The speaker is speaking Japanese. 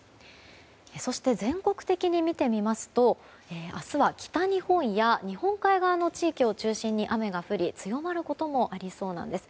そして全国的に見てみますと明日は北日本や日本海側の地域を中心に雨が降り、強まることもありそうなんです。